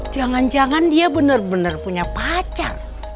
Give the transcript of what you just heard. jangan jangan dia benar benar punya pacar